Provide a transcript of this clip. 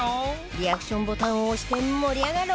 リアクションボタンを押して盛り上がろう！